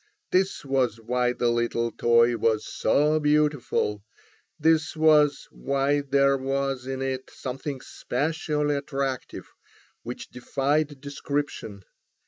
This was why the little toy was so beautiful, this was why there was in it something specially attractive, which defied description.